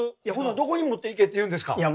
いやほなどこに持っていけっていうんですか？